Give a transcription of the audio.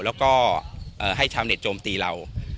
แล้วก็ให้ชาวเน็ตโจมตีเรา